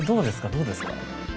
どうですか？